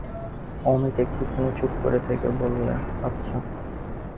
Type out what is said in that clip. অমিত একটুখানি চুপ করে থেকে বললে, আচ্ছা।